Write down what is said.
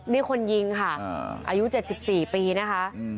นี่คนยิงค่ะอายุ๗๔ปีนะคะ